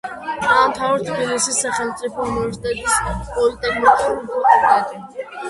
დაამთავრა თბილისის სახელმწიფო უნივერსიტეტის პოლიტექნიკური ფაკულტეტი.